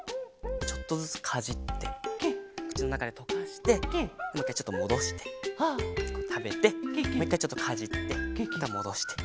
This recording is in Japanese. ちょっとずつかじってくちのなかでとかしてもういっかいちょっともどしてたべてもういっかいちょっとかじってまたもどして。